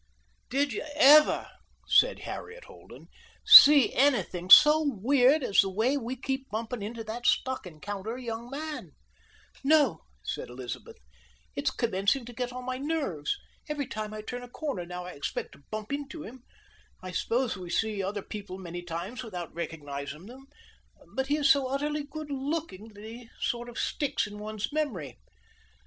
"Did you ever," said Harriet Holden, "see anything so weird as the way we keep bumping into that stocking counter young man?" "No," said Elizabeth, "it's commencing to get on my nerves. Every time I turn a corner now I expect to bump into him. I suppose we see other people many times without recognizing them, but he is so utterly good looking that he sort of sticks in one's memory."